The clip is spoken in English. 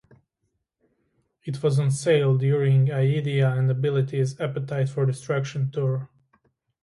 It was on sale during Eyedea and Abilities 'Appetite For Distraction' Tour.